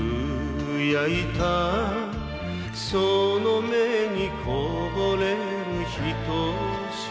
「その目にこぼれるひと滴」